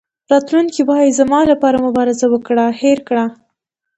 راتلونکی وایي زما لپاره مبارزه وکړه هېر کړه.